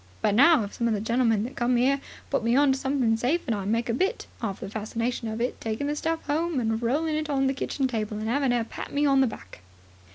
But now, if some of the gentlemen that come 'ere put me on to something safe and I make a bit, 'arf the fascination of it is taking the stuff 'ome and rolling it on to the kitchen table and 'aving 'er pat me on the back."